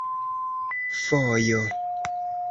fojo